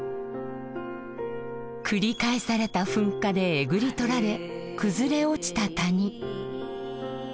繰り返された噴火でえぐり取られ崩れ落ちた谷。